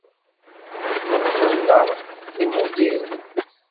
Meḍlen-aɣ d imuddiren.